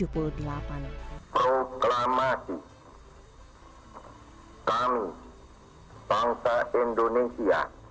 proklamasi kami bangsa indonesia